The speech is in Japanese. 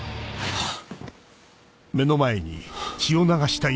あっ！